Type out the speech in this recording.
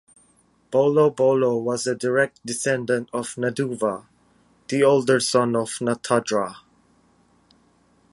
Bolobolo was a direct descendant of Naduva, the older son of Natadra.